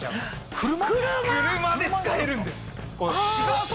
車で使えるんです。